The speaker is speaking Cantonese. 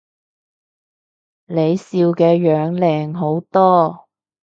你笑嘅樣靚好多